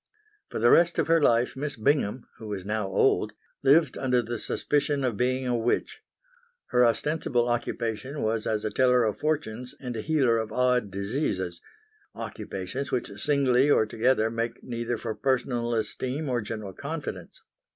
For the rest of her life Miss Bingham, who was now old, lived under the suspicion of being a witch. Her ostensible occupation was as a teller of fortunes and a healer of odd diseases occupations which singly or together make neither for personal esteem or general confidence.